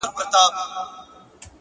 پوهه د شکونو تیاره رڼوي؛